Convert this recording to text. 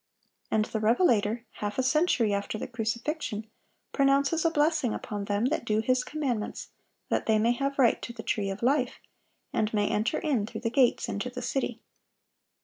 (780) And the Revelator, half a century after the crucifixion, pronounces a blessing upon them "that do His commandments, that they may have right to the tree of life, and may enter in through the gates into the city."